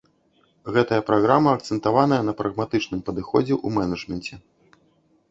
Гэтая праграма акцэнтаваная на прагматычным падыходзе ў менеджменце.